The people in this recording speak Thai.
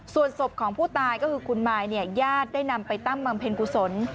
ส่วนศพของผู้ตายก็คือคุณมายเนี่ยญาติได้นำไปตั้งบำเพ็ญกุศล